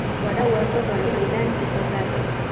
Wadau wa soka wanamnyima Zidane sifa zake